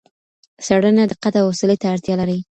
څېړنه دقت او حوصلې ته اړتیا لري.